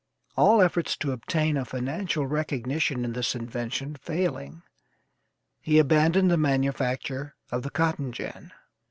All efforts to obtain a financial recognition in this invention failing, he abandoned the manufacture of the cotton gin.